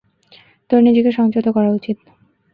তোর নিজেকে সংযত করা উচিত।